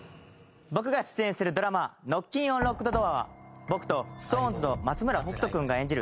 僕が出演するドラマ『ノッキンオン・ロックドドア』は僕とＳｉｘＴＯＮＥＳの松村北斗君が演じる